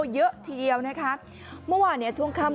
เยอะทีเดียวนะคะเมื่อวานเนี่ยช่วงค่ำ